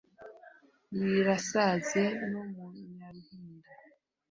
Wirasaze mo nyaruhinda,